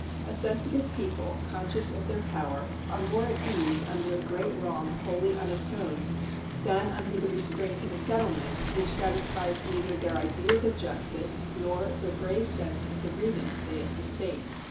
A sensitive people, conscious of their power, are more at ease under a great wrong wholly unatoned than under the restraint of a settlement which satisfies neither their ideas of justice nor their grave sense of the grievance they have sustained.